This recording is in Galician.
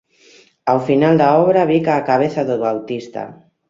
Ao final da obra bica a cabeza do Bautista.